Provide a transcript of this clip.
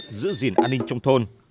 tác giữ gìn an ninh trong thôn